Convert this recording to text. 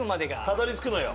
たどりつくのよ